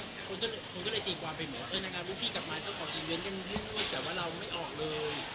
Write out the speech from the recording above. คิดว่าพี่กลับมาต้องขอทีเวียนอย่างนั้น